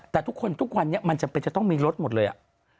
แต่ทุกคนทุกวันนี้มันจำเป็นจะต้องมีรถหมดเลยอ่ะ